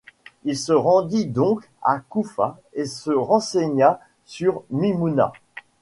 Il se rendit donc à Koûfa et se renseigna sur Mimoûna.